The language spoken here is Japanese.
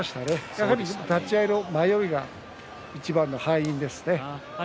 やはり立ち合いの迷いがいちばんの敗因ですね。